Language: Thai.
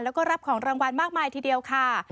แล้วก็รับของรางวัลมากมายทีเดียวค่ะ